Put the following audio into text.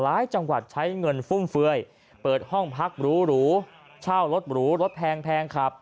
จังหวัดใช้เงินฟุ่มเฟือยเปิดห้องพักหรูเช่ารถหรูรถแพงขับ